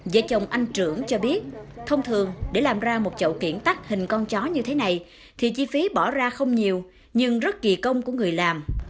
vợ chồng anh trưởng cho biết thông thường để làm ra một chậu kiện tắt hình con chó như thế này thì chi phí bỏ ra không nhiều nhưng rất kỳ công của người làm